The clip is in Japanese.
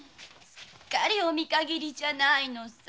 すっかりお見限りじゃないのさ！